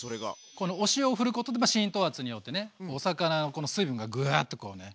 このお塩をふることで浸透圧によってねお魚のこの水分がぐっとこうね。